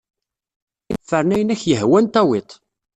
Fren ayen ak-yehwan, tawid-t.